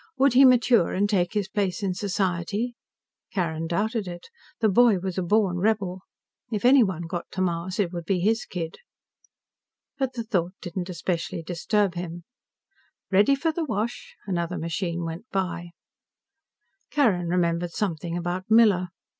Would he mature and take his place in society? Carrin doubted it. The boy was a born rebel. If anyone got to Mars, it would be his kid. But the thought didn't especially disturb him. "Ready for the wash." Another machine went by. Carrin remembered something about Miller.